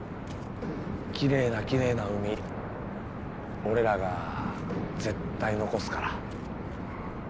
きれいなきれいな海俺らが絶対残すから。